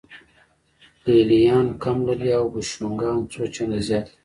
لې لیان کم لري او بوشونګان څو چنده زیات لري